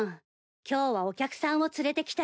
今日はお客さんを連れてきたよ。